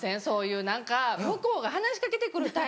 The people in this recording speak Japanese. そういう何か向こうが話し掛けて来る